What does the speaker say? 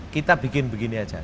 kita bikin begini saja